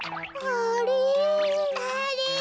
あれ。